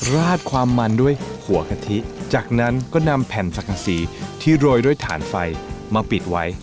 ราดความมันด้วยหัวกะทิจากนั้นก็นำแผ่นสังกษีที่โรยด้วยถ่านไฟมาปิดไว้